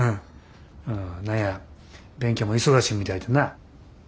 何や勉強も忙しみたいでな。